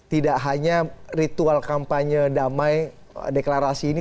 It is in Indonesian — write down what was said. tidak hanya ritual kampanye damai deklarasi ini